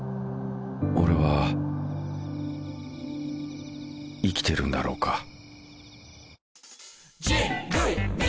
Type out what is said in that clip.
俺は生きてるんだろうか。